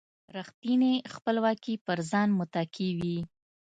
رېښتینې خپلواکي پر ځان متکي وي.